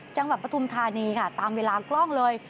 จังหวัดประทุมธานีค่ะตามเวลากล้องเลย